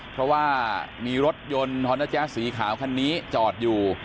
เพราะว่ามีรถยนต์ฮอนนาแจ๊สสีขาวคันนี้จอดอยู่